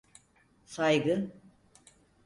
Saygı…